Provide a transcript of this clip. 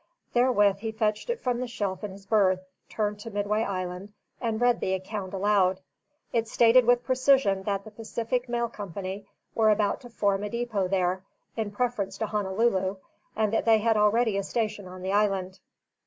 Therewith he fetched it from the shelf in his berth, turned to Midway Island, and read the account aloud. It stated with precision that the Pacific Mail Company were about to form a depot there, in preference to Honolulu, and that they had already a station on the island.